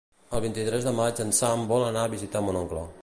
El vint-i-tres de maig en Sam vol anar a visitar mon oncle.